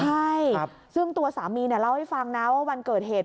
ใช่ซึ่งตัวสามีเล่าให้ฟังนะว่าวันเกิดเหตุ